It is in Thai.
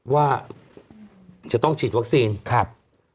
ว่าจะต้องฉีดวัคซีนครับ